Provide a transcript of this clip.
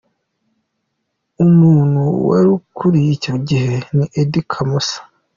Uumuntu wari uyikuriye icyo gihe ni Eddy Kamoso.